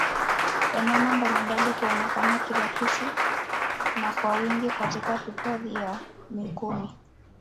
Wanyama mbalimbali huonekana kirahisi na kwa wingi Katika Hifadhi ya Mikumi